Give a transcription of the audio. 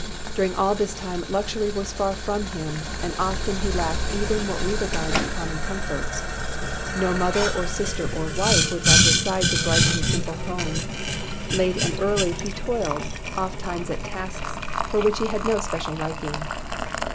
During all this time, luxury was far from him, and often he lacked even what we regard as common comforts. No mother or sister or wife was at his side to brighten his simple home. Late and early, he toiled, ofttimes at tasks for which he had no special liking.